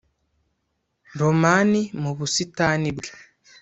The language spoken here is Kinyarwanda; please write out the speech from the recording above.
romani mu busitani bwe